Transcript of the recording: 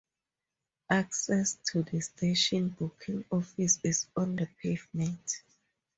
Access to the station booking office is on the pavement.